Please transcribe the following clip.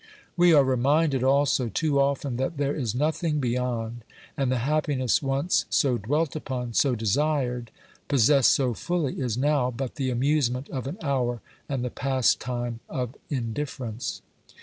We are reminded also too often that there is nothing beyond, and the happiness once so dwelt upon, so desired, possessed so fully is now but the amusement of an hour and the pastime of indifference.